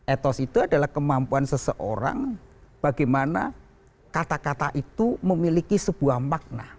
etos itu adalah kemampuan seseorang bagaimana kata kata itu memiliki sebuah makna